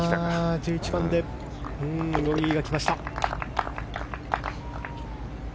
１１番でボギーが来ました。